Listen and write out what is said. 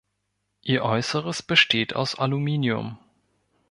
Ihr Äußeres besteht aus Aluminium.